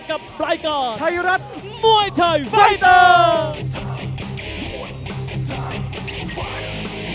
กับรายการไทยรัฐมวยไทยไฟเตอร์